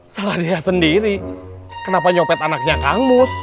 salah dia sendiri kenapa nyopet anaknya kang mus